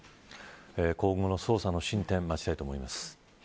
今後の捜査の進展を待ちたいと思います。